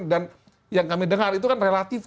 dan yang kami dengar itu kan relatif